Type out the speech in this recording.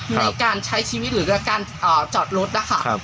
ในการใช้ชีวิตหรือการจอดรถนะคะ